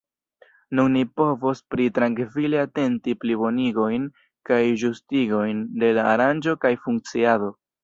Nun ni povos pli trankvile atenti plibonigojn kaj ĝustigojn de la aranĝo kaj funkciado.